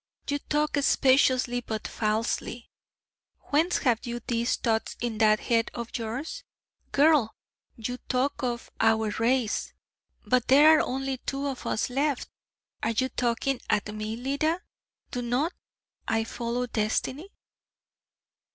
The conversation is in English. you talk speciously, but falsely! whence have you these thoughts in that head of yours? Girl! you talk of "our race"! But there are only two of us left? Are you talking at me, Leda? Do not I follow Destiny?'